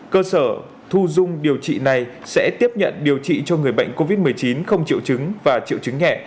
cơ sở thu dung điều trị này sẽ tiếp nhận điều trị cho người bệnh covid một mươi chín không triệu chứng và triệu chứng nhẹ